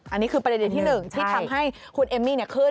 อันนี้คือประเด็นที่๑ที่ทำให้คุณเอมมี่ขึ้น